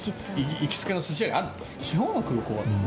行きつけの寿司屋がある。